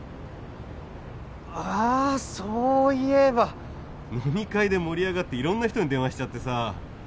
あそういえば飲み会で盛り上がっていろんな人に電話しちゃってさ。